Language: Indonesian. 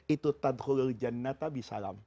itu tadkhulul jannatabi salam